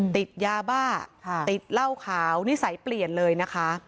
ติดยาบ้าติดเหล้าขาวนิสัยเปลี่ยนเลยนะคะ